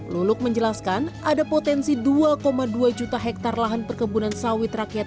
luluk menjelaskan ada potensi dua dua juta hektare lahan perkebunan sawit rakyat